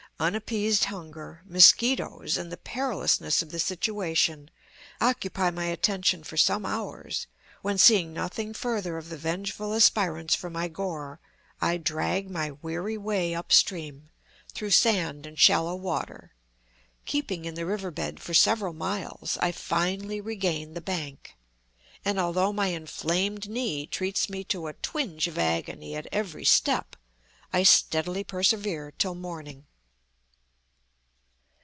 Unappeased hunger, mosquitoes, and the perilousness of the situation occupy my attention for some hours, when, seeing nothing further of the vengeful aspirants for my gore, I drag my weary way up stream, through sand and shallow water. Keeping in the river bed for several miles, I finally regain the bank, and, although my inflamed knee treats me to a twinge of agony at every step, I steadily persevere till morning.